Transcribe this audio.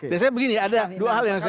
biasanya begini ada dua hal yang saya